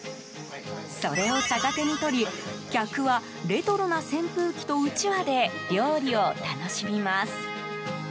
それを逆手に取り客は、レトロな扇風機とうちわで料理を楽しみます。